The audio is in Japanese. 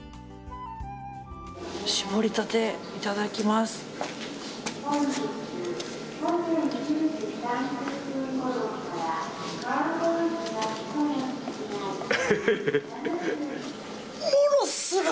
搾りたて、いただきます。